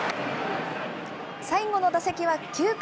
最後の打席は９回。